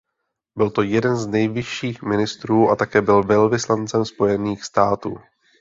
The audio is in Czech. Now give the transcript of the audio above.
Byl to jeden z nejvyšších ministrů a také byl velvyslancem Spojených států.